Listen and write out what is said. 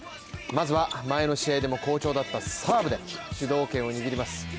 まずは、前の試合でも好調だったサーブで主導権を握ります。